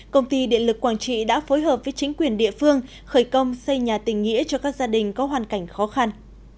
công ty điện lực quảng trị đã phối hợp với chính quyền địa phương khởi công xây nhà tình nghĩa cho các gia đình có hoàn cảnh khó khăn